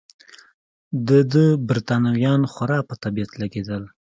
د ده بریتانویان خورا په طبیعت لګېدل.